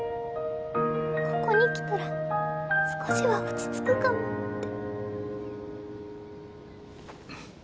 ここに来たら少しは落ち着くかもって。